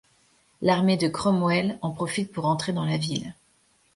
L'armée de Cromwell en profite pour entrer dans la ville.